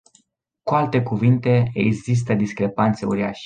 Cu alte cuvinte, există discrepanțe uriașe.